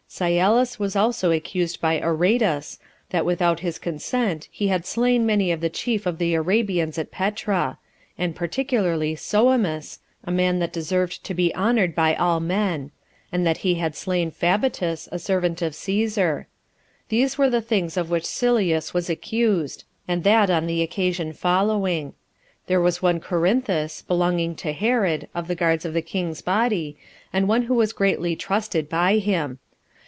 Sylleus was also accused by Aretas, that without his consent he had slain many of the chief of the Arabians at Petra; and particularly Soemus, a man that deserved to be honored by all men; and that he had slain Fabatus, a servant of Cæsar. These were the things of which Sylleus was accused, and that on the occasion following: There was one Corinthus, belonging to Herod, of the guards of the king's body, and one who was greatly trusted by him.